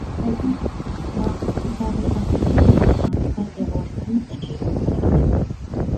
na na uchumi na hali ya wananchi wa eneo hile